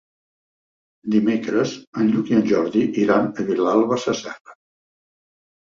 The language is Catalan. Dimecres en Lluc i en Jordi iran a Vilalba Sasserra.